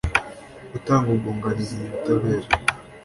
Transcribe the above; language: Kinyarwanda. gutanga ubwunganizi mu butabera